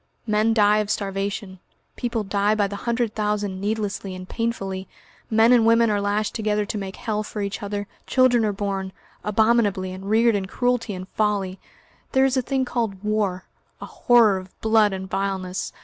"Men die of starvation; people die by the hundred thousand needlessly and painfully; men and women are lashed together to make hell for each other; children are born abominably, and reared in cruelty and folly; there is a thing called war, a horror of blood and vileness.